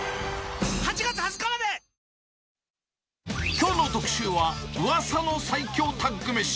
きょうの特集は、ウワサの最強タッグめし。